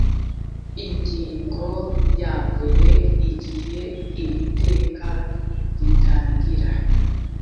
ingingo ya mbere igihe iri teka ritangira